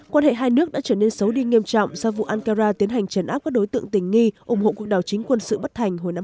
quan hệ hai nước đã trở nên xấu đi nghiêm trọng sau vụ ankara tiến hành trấn áp các đối tượng tình nghi ủng hộ cuộc đảo chính quân sự bất hành hồi năm hai nghìn một mươi sáu